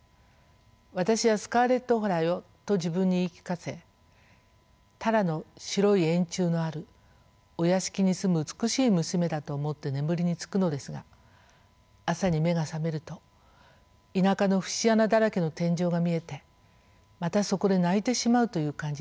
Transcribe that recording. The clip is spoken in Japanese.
「私はスカーレット・オハラよ」と自分に言い聞かせタラの白い円柱のあるお屋敷に住む美しい娘だと思って眠りにつくのですが朝に目が覚めると田舎の節穴だらけの天井が見えてまたそこで泣いてしまうという感じでした。